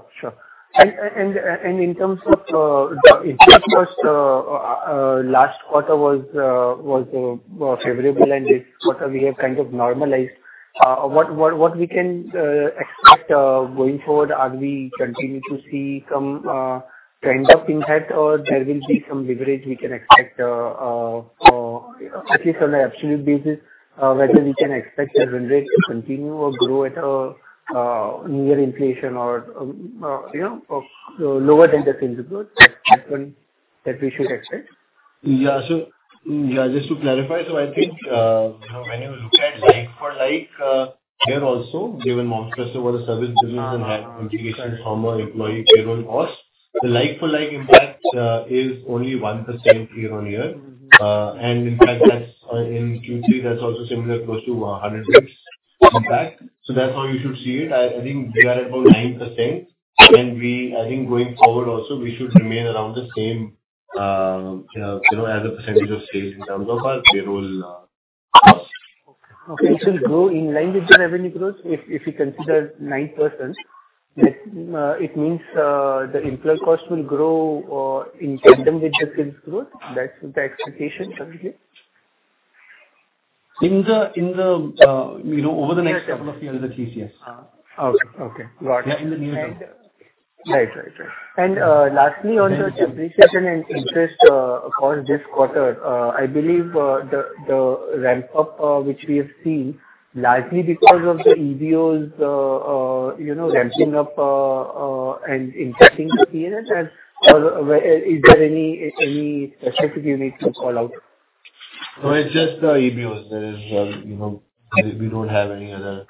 sure, sure. In terms of the interest, which was last quarter was favorable, and this quarter we have kind of normalized. What we can expect going forward? Are we continuing to see some trend of impact, or there will be some leverage we can expect, at least on an absolute basis, whether we can expect the revenue to continue or grow at a near inflation or, you know, lower than the single growth, that one, that we should expect?
Yeah. So, yeah, just to clarify, so I think, you know, when you look at like for like, here also, given Momspresso was a service business and had integration and former employee shareholder cost, the like for like impact is only 1% year-over-year. And in fact, that's in Q3, that's also similar, close to 100 basis points. So that's how you should see it. I, I think we are at about 9%, and we - I think going forward also, we should remain around the same, you know, you know, as a percentage of sales in terms of our payroll.
Okay. It will grow in line with the revenue growth. If you consider 9%, it means the employee cost will grow in tandem with the sales growth. That's the expectation, currently?
In the, you know, over the next couple of years, at least, yes.
Okay. Okay, got it.
Yeah, in the near term.
Right. Right. Right. And, lastly, on the depreciation and interest, across this quarter, I believe, the ramp up, which we have seen largely because of the EBOs, you know, ramping up, and impacting the P&L. And, where is there any specific you need to call out?
No, it's just the EBOs. There is, you know, we, we don't have any other,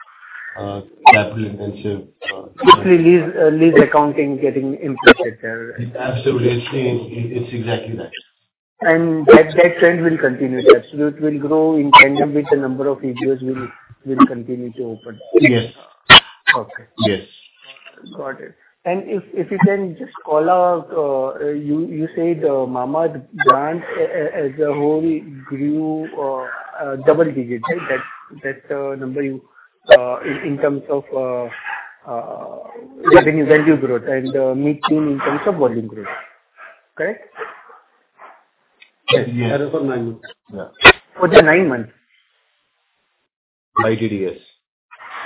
capital intensive,
Simple lease, lease accounting getting impacted there.
Absolutely. It's, it's exactly that.
That trend will continue. That it will grow in tandem with the number of EBOs will continue to open?
Yes.
Okay.
Yes.
Got it. And if you can just call out, you said Mamaearth brand as a whole grew double digits, right? That number you in terms of revenue growth and mid-teen in terms of volume growth. Correct?
Yes. That is for nine months. Yeah.
For the nine months.
I did, yes.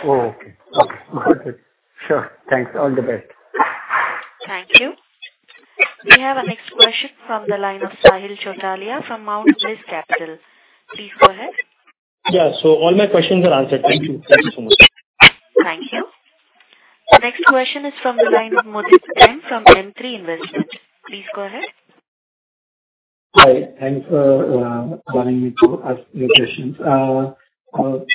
Oh, okay. Okay. Got it. Sure. Thanks. All the best.
Thank you. We have our next question from the line of Sahil Chotalia from Mount Bliss Capital. Please go ahead.
Yeah. So all my questions are answered. Thank you. Thank you so much.
Thank you. The next question is from the line of Mudit M. from M3 Investments. Please go ahead.
Hi. Thanks for calling me to ask me questions.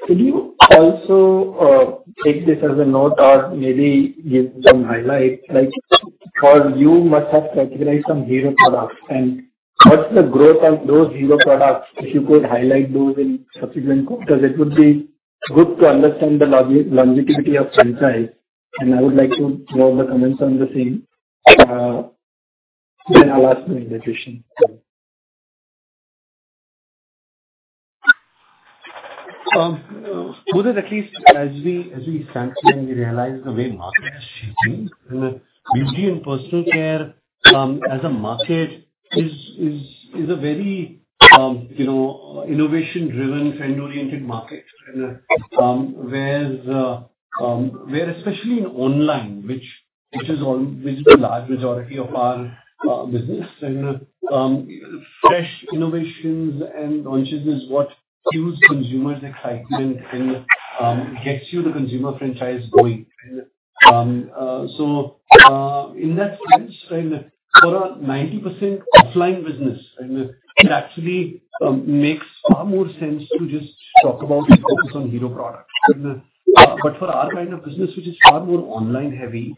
Could you also take this as a note or maybe give some highlight? Like, for you must have categorized some hero products, and what's the growth of those hero products? If you could highlight those in subsequent quarters, it would be good to understand the longevity of franchise, and I would like to know the comments on the same. Then I'll ask my next question.
Mudit, at least as we see, we realize the way market is shifting. Usually in personal care, as a market is a very, you know, innovation-driven, trend-oriented market. Whereas, where especially in online, which is a large majority of our business. Fresh innovations and launches is what fuels consumers' excitement and gets you the consumer franchise going. So, in that sense, and for a 90% offline business, and it actually makes far more sense to just talk about and focus on hero products. But for our kind of business, which is far more online heavy,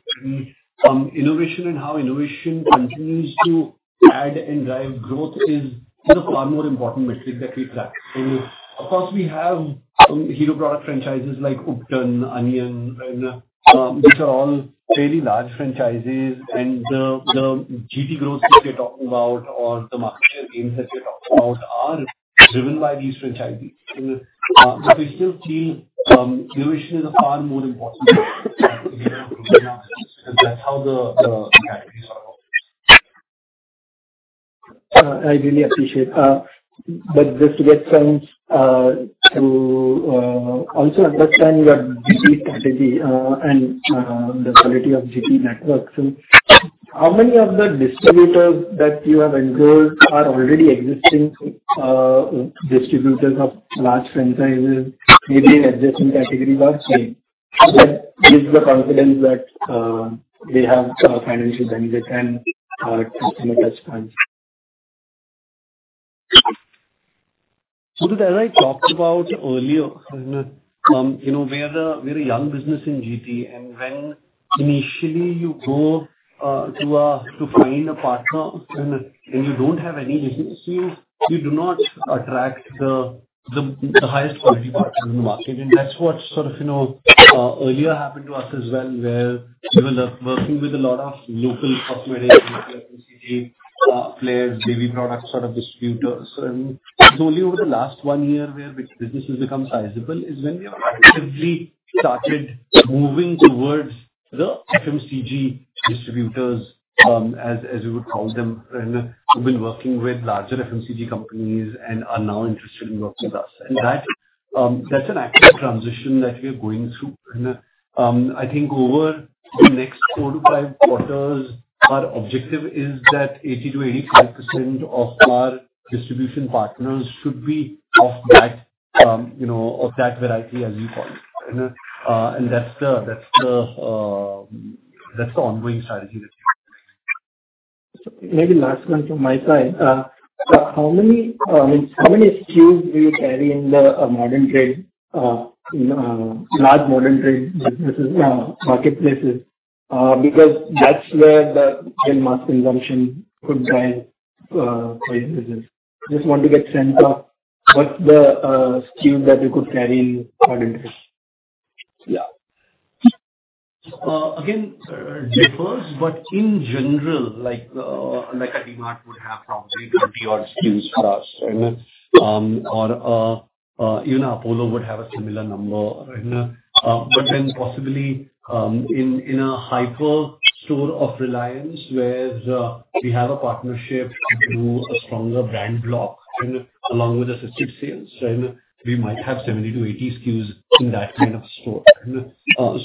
innovation and how innovation continues to add and drive growth is a far more important metric that we track. Of course, we have hero product franchises like Ubtan, Onion, and these are all fairly large franchises. The, the GT growth that we're talking about or the market share gains that we're talking about are driven by these franchises. But we still feel innovation is far more important because that's how the, the categories are.
I really appreciate. But just to get sense, to also understand your GT strategy, and the quality of GT networks. So how many of the distributors that you have onboard are already existing distributors of large franchises, maybe in adjacent category, but same? That gives the confidence that they have financial bandwidth and customer touch time.
So as I talked about earlier, and, you know, we are a, we're a young business in GT, and when initially you go to find a partner and you don't have any business deal, you do not attract the highest quality partners in the market. And that's what sort of, you know, earlier happened to us as well, where we were working with a lot of local cosmetic FMCG players, baby product sort of distributors. And it's only over the last one year, where business has become sizable, is when we have actively started moving towards the FMCG distributors, as you would call them, and we've been working with larger FMCG companies and are now interested in working with us. And that, that's an active transition that we are going through. I think over the next four to five quarters, our objective is that 80%-85% of our distribution partners should be of that, you know, of that variety, as you call it. And that's the ongoing strategy with GT.
Maybe last one from my side. So how many, I mean, how many SKUs do you carry in the modern trade, you know, large modern trade businesses, marketplaces? Because that's where the mass consumption could drive. Just want to get a sense of what the SKU that you could carry in yeah.
Again, it differs, but in general, like, like a DMart would have probably 30 odd SKUs for us, right? Or, even Apollo would have a similar number, right? But then possibly, in, in a hyper store of Reliance, where we have a partnership to do a stronger brand block and along with assisted sales, then we might have 70-80 SKUs in that kind of store.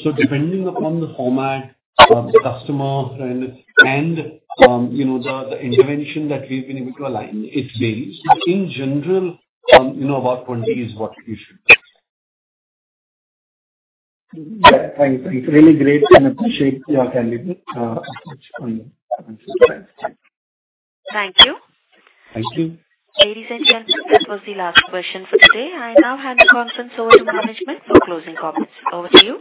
So depending upon the format, the customer and, and, you know, the, the intervention that we've been able to align, it varies. But in general, you know, about 20 is what we should take.
Yeah, thank you. It's really great and appreciate your time with, on the-
Thank you.
Thank you.
Ladies and gentlemen, this was the last question for today. I now hand the conference over to management for closing comments. Over to you.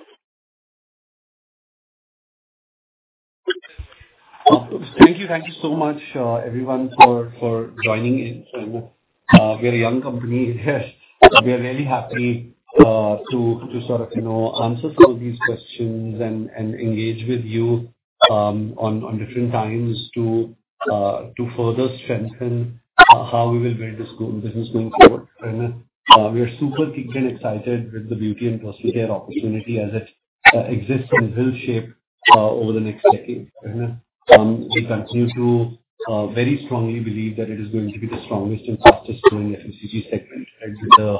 Thank you. Thank you so much, everyone, for joining in. We're a young company. We are really happy to sort of, you know, answer some of these questions and engage with you on different times to further strengthen how we will build this business going forward. We are super kicked and excited with the beauty and personal care opportunity as it exists and will shape over the next decade. We continue to very strongly believe that it is going to be the strongest and fastest growing FMCG segment and with the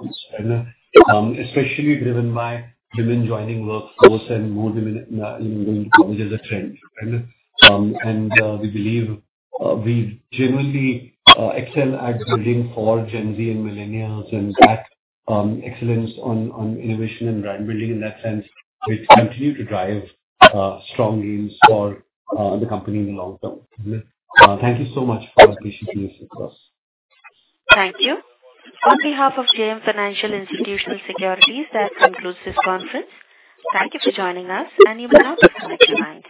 highest growth, right? Especially driven by women joining workforce and more women going to college as a trend. We believe we generally excel at building for Gen Z and Millennials, and that excellence on innovation and brand building in that sense will continue to drive strong gains for the company in the long term. Thank you so much for your patience with us.
Thank you. On behalf of JM Financial Institutional Securities, that concludes this conference. Thank you for joining us, and you may now disconnect your lines.